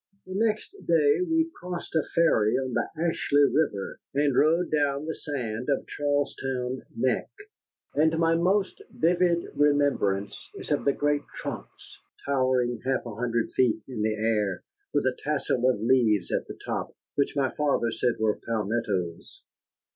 The next day we crossed a ferry on the Ashley River, and rode down the sand of Charlestown neck. And my most vivid remembrance is of the great trunks towering half a hundred feet in the air, with a tassel of leaves at the top, which my father said were palmettos.